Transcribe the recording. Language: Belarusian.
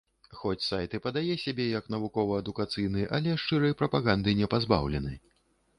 Хоць сайт і падае сябе як навукова-адукацыйны, але шчырай прапаганды не пазбаўлены.